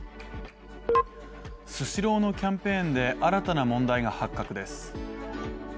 スシローのキャンペーンで新たな問題が発覚です。